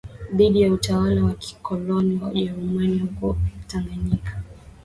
dhidi ya utawala wa kikoloni wa Ujerumani huko Tanganyika